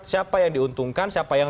siapa yang diuntungkan siapa yang